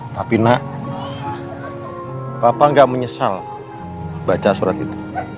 tapi nak papa nggak menyesal baca surat itu